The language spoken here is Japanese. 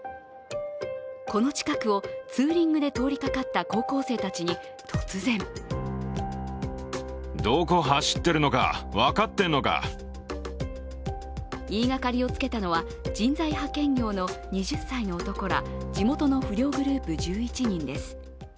この近くをツーリングで通りかかった高校生たちに突然言いがかりをつけたのは、人材派遣業の２０歳の男ら、地元の不良グループ１１人です。